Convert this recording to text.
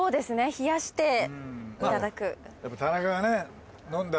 冷やしていただく。